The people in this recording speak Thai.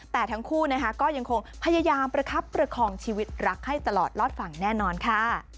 แต่ทั้งคู่นะคะก็ยังคงพยายามประคับประคองชีวิตรักให้ตลอดรอดฝั่งแน่นอนค่ะ